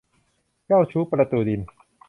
เจ้าชู้ประตูดิน